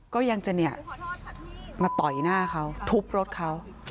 ก็ยังจะเนี่ยมาต่อยหน้าเขาทุบรถเขา